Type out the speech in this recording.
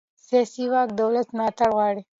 سیاسي واک د ولس ملاتړ غواړي